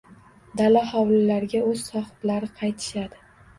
Dala-hovlilarga o`z sohiblari qaytishadi